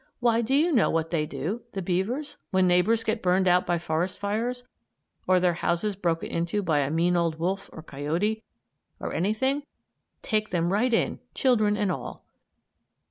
Why, do you know what they do the beavers when neighbors get burned out by forest fires or their houses broken into by a mean old wolf or coyote or anything? Take them right in, children and all!